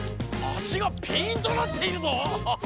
足がピンとなっているぞ！